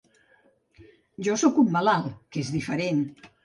Jo sóc un malalt, que és diferent.